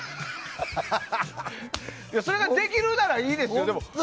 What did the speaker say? それができるならいいですよ。